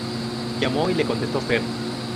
Llamó y le contestó Fher.